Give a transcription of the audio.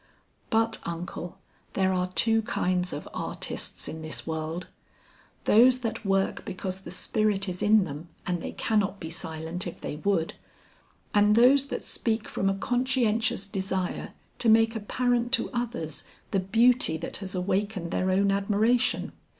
But uncle, there are two kinds of artists in this world; those that work because the spirit is in them and they cannot be silent if they would, and those that speak from a conscientious desire to make apparent to others the beauty that has awakened their own admiration.